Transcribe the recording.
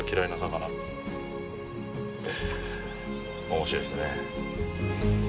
面白いですね。